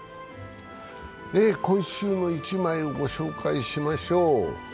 「今週の一枚」をご紹介しましょう。